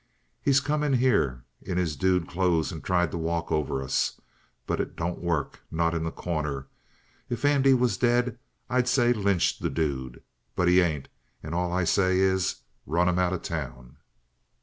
He's come in here in his dude clothes and tried to walk over us. But it don't work. Not in The Corner. If Andy was dead, I'd say lynch the dude. But he ain't, and all I say is: Run him out of town."